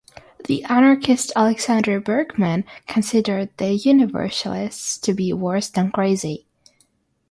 The anarchist Alexander Berkman considered the Universalists to be "worse than crazy".